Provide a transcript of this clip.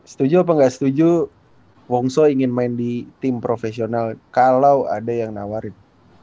setuju apa nggak setuju wongso ingin main di tim profesional kalau ada yang nawarin